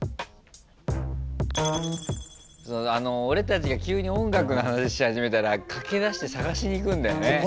俺たちが急に音楽の話し始めたら駆けだして探しにいくんだよね。